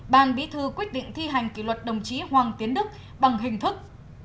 ban bí thư quyết định thi hành kỷ luật đồng chí hoàng tiến đức bằng hình thức